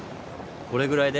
これぐらいで？